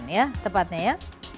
ya tepatnya ya